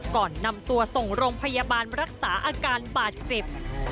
ก่อนนำตัวส่งโรงพยาบาลรักษาอาการบาดเจ็บ